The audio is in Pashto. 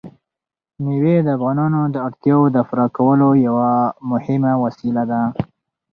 مېوې د افغانانو د اړتیاوو د پوره کولو یوه مهمه وسیله ده.